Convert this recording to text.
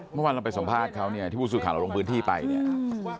เมื่อวานเราไปสัมภาษณ์เขาเนี่ยที่ผู้สื่อข่าวเราลงพื้นที่ไปเนี่ย